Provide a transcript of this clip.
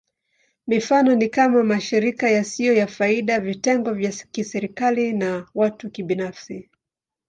Mifano ni kama: mashirika yasiyo ya faida, vitengo vya kiserikali, na watu binafsi.